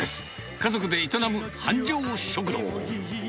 家族で営む繁盛食堂。